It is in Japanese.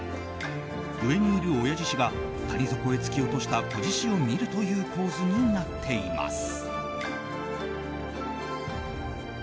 上にいる親獅子が谷底へ突き落とした子獅子を見るという構図になっています。